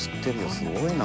すごいな。